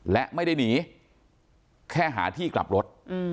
และไม่ได้หนีแค่หาที่กลับรถ